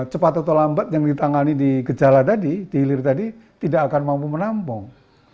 cepat atau lambat yang ditangani di gejala tadi di hilir tadi tidak akan mampu menampung